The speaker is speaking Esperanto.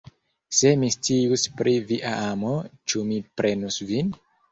Se mi scius pri via amo, ĉu mi prenus vin!